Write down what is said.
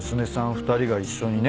２人が一緒にね